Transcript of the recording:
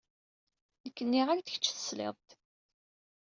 Nekk nniɣ-ak-d kečč tesliḍ-d.